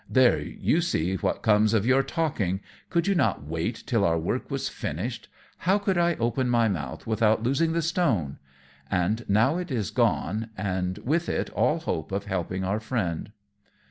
"There, you see what comes of your talking. Could you not wait till our work was finished? How could I open my mouth without losing the stone? And now it is gone, and with it all hope of helping our friend."